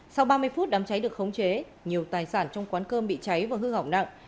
sau ba mươi phút đám cháy được khống chế nhiều tài sản trong quán cơm bị cháy và hư hỏng nặng